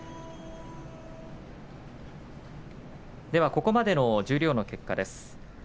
ここまでの新十両の結果です。